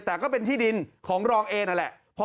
แต่ก็เป็นที่ดินของรองเอนั่นแหละ